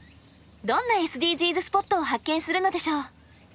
どんなＳＤＧｓスポットを発見するのでしょう。